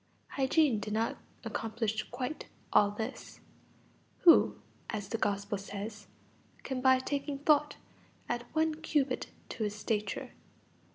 Hygiene did not accomplish quite all this. Who, as the Gospel says, can by taking thought add one cubit to his stature?